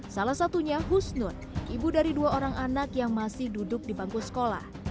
salah satunya husnun ibu dari dua orang anak yang masih duduk di bangku sekolah